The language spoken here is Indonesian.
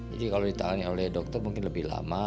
jadi kalau ditangani oleh dokter mungkin lebih lama